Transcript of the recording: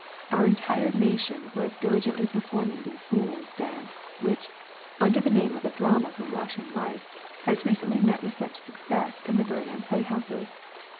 our entire nation was diligently performing the "Fools' Dance," which, under the name of a drama from Russian life, has recently met with such a success in the Berlin playhouses.